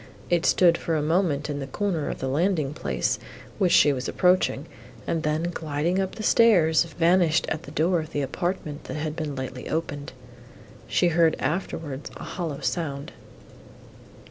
It stood for a moment in the corner of the landing place, which she was approaching, and then, gliding up the stairs, vanished at the door of the apartment, that had been lately opened. She heard afterwards a hollow sound.